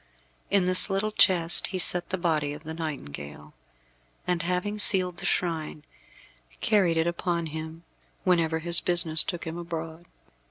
In this little chest he set the body of the nightingale, and having sealed the shrine, carried it upon him whenever his business took him abroad.